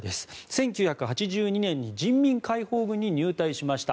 １９８２年に人民解放軍に入隊しました。